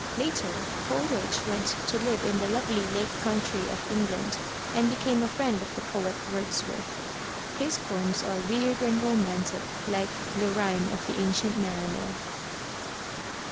Later, Coleridge went to live in the lovely Lake Country of England, and became a friend of the poet, Wordsworth. His poems are weird and romantic, like The Rime of the Ancient Mariner.